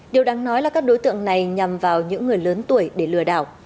điều đáng nói là các đối tượng này nhằm vào những người lớn tuổi để lừa đảo